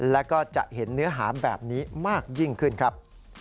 แล้วก็จะเห็นเนื้อหาแบบนี้มากยิ่งขึ้นครับ